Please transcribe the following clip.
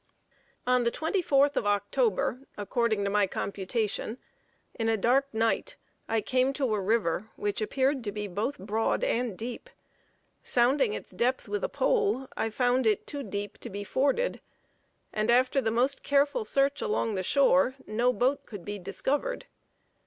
On the twenty fourth of October, according to my computation, in a dark night, I came to a river which appeared to be both broad and deep. Sounding its depth with a pole, I found it too deep to be forded, and after the most careful search along the shore, no boat could be discovered.